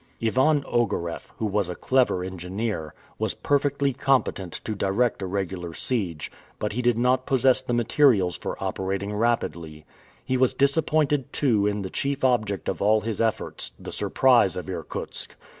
Ivan Ogareff, who was a clever engineer, was perfectly competent to direct a regular siege; but he did not possess the materials for operating rapidly. He was disappointed too in the chief object of all his efforts the surprise of Irkutsk.